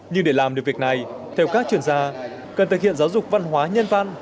nhưng để làm được việc này theo các chuyên gia cần thực hiện giáo dục văn hóa nhân văn